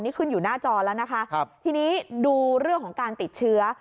นี่ขึ้นอยู่หน้าจอแล้วนะคะครับทีนี้ดูเรื่องของการติดเชื้อ